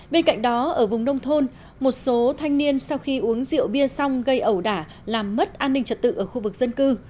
bên cạnh đó ở vùng nông thôn một số thanh niên sau khi uống rượu bia xong gây ẩu đả làm mất an ninh trật tự ở khu vực dân cư